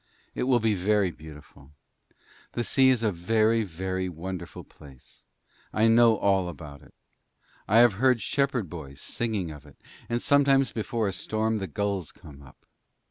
It will be very beautiful. The sea is a very, very wonderful place. I know all about it; I have heard shepherd boys singing of it, and sometimes before a storm the gulls come up.